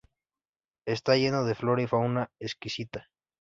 Está lleno de flora y fauna exquisitas.